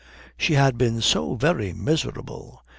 She had been so very miserable.